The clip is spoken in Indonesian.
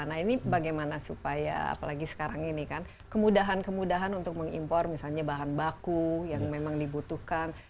nah ini bagaimana supaya apalagi sekarang ini kan kemudahan kemudahan untuk mengimpor misalnya bahan baku yang memang dibutuhkan